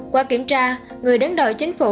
qua kiểm tra người đứng đầu chính phủ